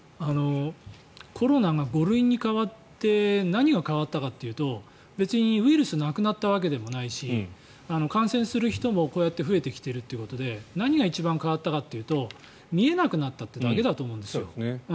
コロナが５類に変わって何が変わったかというと別にウイルスがなくなったわけでもないし感染する人もこうやって増えてきているということで何が一番変わったかというと見えなくなったというだけだと思うんです。